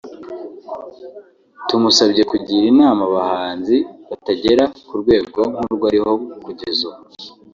…Tumusabye kugira inama abahanzi bataragera ku rwego nk’urwo ariho kugeza ubu